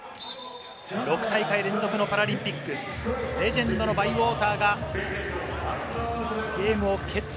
６大会連続のパラリンピック、レジェンドのバイウォーターがゲームを決定